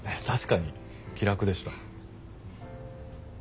確かに気楽でした。